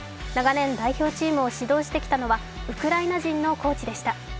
長年代表チームを指導してきたのは、ウクライナ人のコーチでした。